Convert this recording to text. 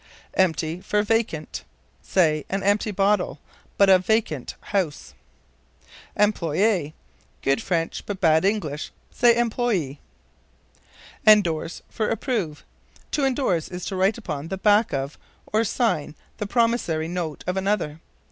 Empty for Vacant. Say, an empty bottle; but, a vacant house. Employé. Good French, but bad English. Say, employee. Endorse for Approve. To endorse is to write upon the back of, or to sign the promissory note of another.